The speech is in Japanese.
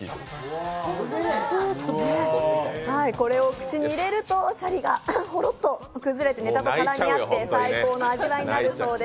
すーっとね、これを口に入れるとシャリがネタと絡み合って、最高の味わいになるそうです。